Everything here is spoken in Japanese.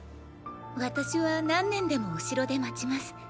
私は何年でもお城で待ちます。